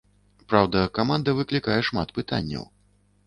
Праўда, каманда выклікае шмат пытанняў.